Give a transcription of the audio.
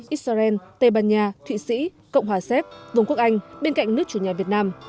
israel tây ban nha thụy sĩ cộng hòa xếp vùng quốc anh bên cạnh nước chủ nhà việt nam